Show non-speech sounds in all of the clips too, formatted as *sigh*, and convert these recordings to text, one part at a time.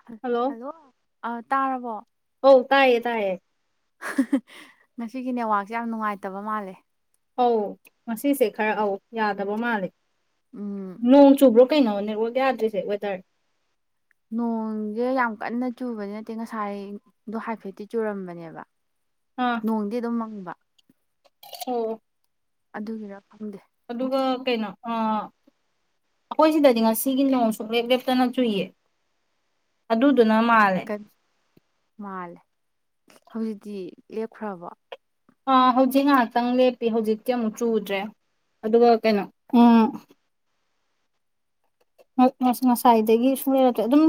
ꯍꯜ ꯍꯜꯂꯣ ꯑꯥ ꯇꯥꯔꯕꯣ ꯑꯧ ꯇꯥꯏꯌꯦ ꯇꯥꯏꯌꯦ *unintelligible* ꯉꯁꯤꯒꯤ ꯅꯦꯠꯋꯥꯛꯁꯤ ꯌꯥꯝ ꯅꯨꯡꯉꯥꯏꯇꯕ ꯃꯥꯜꯂꯤ ꯑꯧ ꯉꯁꯤꯁꯦ ꯈꯔ ꯑꯧ ꯌꯥꯗꯕ ꯃꯥꯜꯂꯤ ꯎꯝ ꯅꯣꯡ ꯆꯨꯕ꯭ꯔꯣ ꯀꯩꯩꯅꯣ ꯅꯦꯠꯋꯥꯛ ꯌꯥꯗ꯭ꯔꯤꯁ‌ꯦ ꯋꯦꯗꯔ ꯅꯣꯡꯖ‌ꯦ ꯌꯥꯝ ꯀꯟꯅ ꯆꯨꯕꯗꯤ ꯅꯠꯇꯦ ꯉꯁꯥꯏ ꯑꯗꯨ ꯍꯥꯏꯐꯦꯠꯇꯤ ꯆꯨꯔꯝꯕꯅꯦꯕ ꯑꯥ ꯅꯣꯡꯗꯤ ꯑꯗꯨꯝ ꯃꯪꯕ *unintelligible* ꯑꯗꯨꯒꯤꯔ ꯈꯪꯗꯦ ꯑꯗꯨꯒ ꯀꯩꯅꯣ ꯑꯥ ꯑꯈꯣꯏ ꯁꯤꯗꯗꯤ ꯉꯁꯤꯒꯤ ꯅꯣꯡ ꯁꯨꯡꯂꯦꯞ ꯂꯦꯞꯇꯅ ꯆꯨꯏꯌꯦ ꯑꯗꯨꯗꯨꯅ ꯃꯥꯜ ꯀꯟ ꯃꯥꯜꯂꯦ ꯍꯧꯖꯤꯛꯇꯤ ꯂꯦꯞꯈ꯭ꯔꯕꯣ ꯑ ꯍꯧꯖꯤꯛ ꯉꯥꯍꯥꯛꯇꯪ ꯂꯦꯞꯄꯤ ꯍꯧꯖꯤꯛꯇꯤ ꯑꯃꯨꯛ ꯆꯨꯗ꯭ꯔꯦ ꯑꯗꯨꯒ ꯀꯩꯅꯣ ꯎꯝ ꯎꯝ ꯉ ꯉ ꯉꯁꯥꯏ ꯉꯁꯥꯏꯗꯒꯤ ꯁꯨꯡꯂ‌ꯦꯞ ꯂ‌ꯦꯞꯇ‌ꯦ ꯑꯗꯨꯝ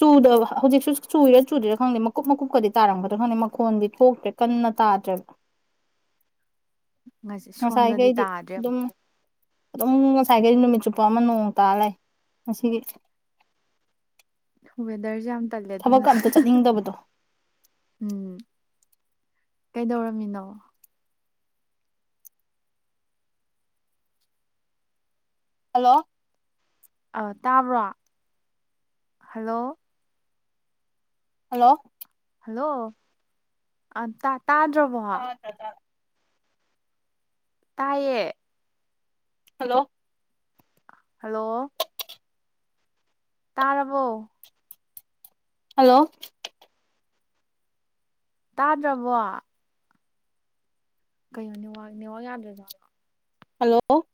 ꯆꯨꯗꯕ ꯍꯧꯖꯤꯛꯁꯨ ꯆꯨꯏꯔ ꯆꯨꯗ꯭ꯔꯤꯔꯥ ꯈꯪꯗꯦ ꯃꯀꯨꯞ ꯃꯀꯨꯞꯀꯗꯤ ꯇꯥꯔꯝꯒꯗ꯭ꯔ ꯈꯪꯗꯦ ꯃꯈꯣꯟꯗꯤ ꯊꯣꯛꯇꯦ ꯀꯟꯅ ꯇꯥꯗ꯭ꯔꯦꯕ ꯉꯁꯤ ꯁꯣꯝꯗꯗꯤ ꯉꯁꯥꯏꯗꯩꯗꯤ ꯇꯥꯗ꯭ꯔꯦ ꯗꯨꯝ ꯑꯗꯨꯝ ꯉꯁꯥꯏꯒꯩ ꯅꯨꯃꯤꯠ ꯆꯨꯞꯄ ꯑꯃ ꯅꯣꯡ ꯇꯥꯔ ꯂꯩ ꯉꯁꯤꯒꯤ ꯋꯦꯗꯔꯁꯦ ꯌꯥꯝ ꯇꯜꯂꯦ ꯑꯗꯨꯅ ꯊꯕꯛꯀ ꯑꯝꯇ ꯆꯠꯅꯤꯡꯗꯕꯗꯣ ꯎꯝ ꯀꯩꯗꯧꯔꯝꯃꯤꯅꯣ ꯍꯜꯂꯣ ꯑꯥ ꯇꯥꯕ꯭ꯔ ꯍꯜꯂꯣ ꯍꯜꯂꯣ ꯍꯜꯂꯣ ꯑꯥ ꯇꯥ ꯇꯥꯗ꯭ꯔꯕꯣ ꯇꯗ꯭ꯔꯖꯠꯂꯥꯥ ꯇꯥꯏꯌꯦ ꯍꯜꯂꯣ ꯍꯜꯂꯣ ꯇꯥꯔꯕꯣ ꯍꯜꯂꯣ ꯇꯥꯗ꯭ꯔꯕꯣ ꯀꯩꯅꯣ ꯅꯦꯋꯥ ꯅꯦꯋꯥꯛ ꯌꯥꯗ꯭ꯔꯖꯥꯠꯂꯣ ꯍꯜꯂꯣ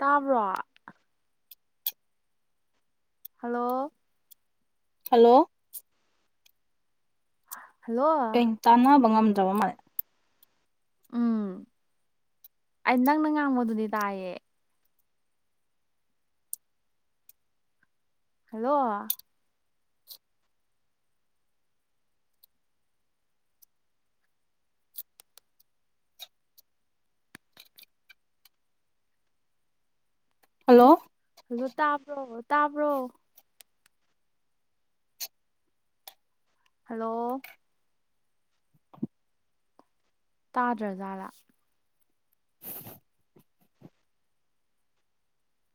ꯇꯥꯕ꯭ꯔꯣ ꯍꯜꯂꯣ ꯍꯜꯂꯣ ꯍ ꯍꯜꯂꯣ ꯀꯩꯅꯣ ꯇꯥꯟꯅꯕ ꯉꯝꯗ꯭ꯔꯕ ꯃꯥꯜꯂꯤ ꯎꯝ ꯑꯩ ꯅꯪꯅ ꯉꯥꯡꯕꯗꯨꯗꯤ ꯇꯥꯏꯌꯦ ꯍꯜꯂꯣ ꯍꯜꯂꯣ ꯍꯜꯂꯣ ꯇꯥꯕ꯭ꯔꯣ ꯇꯥꯕ꯭ꯔꯣ ꯍꯜꯂꯣ ꯇꯥꯗ꯭ꯔꯥ ꯖꯥꯠꯂꯥ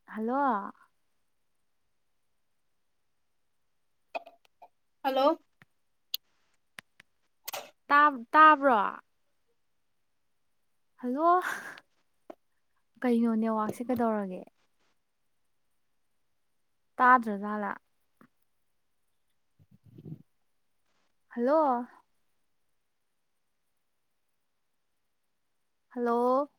ꯍꯜꯂꯣ ꯍꯜꯂꯣ ꯇꯥꯞ ꯇꯥꯕ꯭ꯔꯣ ꯍꯜꯂꯣ ꯀꯩꯅꯣ ꯅꯦꯋꯥꯛꯁꯦ ꯀꯩꯗꯧꯔꯒꯦ ꯇꯥꯗ꯭ꯔꯥ ꯖꯥꯠꯂꯥ ꯍꯜꯂꯣ ꯍꯜꯂꯣ